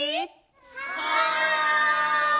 はい！